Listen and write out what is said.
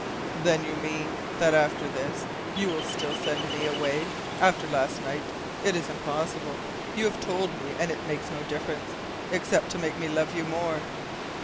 "Then you mean that after this you will still send me away? After last night? It is impossible! You have told me, and it makes no difference, except to make me love you more.